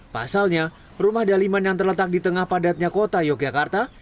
pasalnya rumah daliman yang terletak di tengah padatnya kota yogyakarta